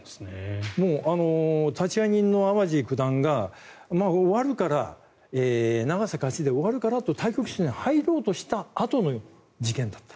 立会人の九段がもう終わるから永瀬の勝ちで終わるから対局室に入ろうとしたあとの事件だった。